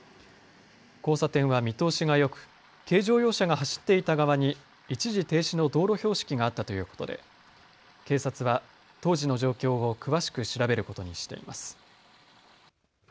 交差点は見通しがよく軽乗用車が走っていた側に一時停止の道路標識があったということで警察は当時の状況を詳しく調べることにしています。